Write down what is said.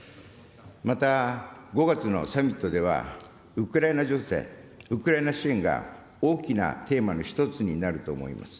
また、５月のサミットではウクライナ情勢、ウクライナ支援が大きなテーマの１つになると思います。